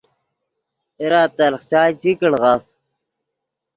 اے را تلخ چائے چی کڑف